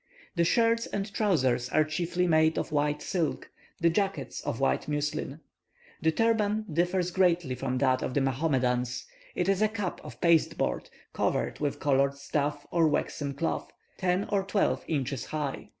The shirts and trousers are chiefly made of white silk, the jacket of white muslin. The turban differs greatly from that of the Mahomedans; it is a cap of pasteboard, covered with coloured stuff or waxed cloth, ten or twelve inches high.